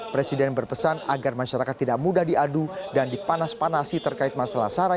presiden berpesan agar masyarakat tidak mudah diadu dan dipanas panasi terkait masalah sarai